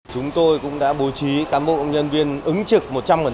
chúng tôi cũng đã bố trí cán bộ nhân viên ứng trực một trăm linh